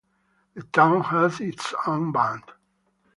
The town has its own band.